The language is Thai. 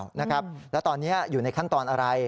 แล้วตอนนี้อยู่ในขั้นตอนอะไร